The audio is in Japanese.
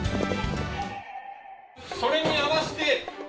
それに合わせて。